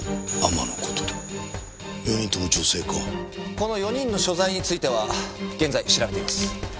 この４人の所在については現在調べています。